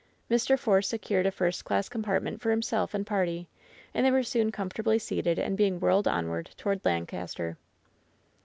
Mr. Force secured a first class compartment for him self and party, and they were soon comfortably seated and being whirled onward toward Lancaster.